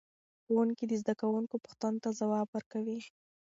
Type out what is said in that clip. ښوونکي د زده کوونکو پوښتنو ته ځواب ورکوي.